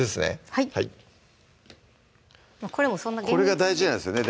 はいこれもそんな厳密にこれが大事なんですよね